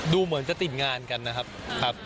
ดูเหมือนจะติดงานกันนะครับ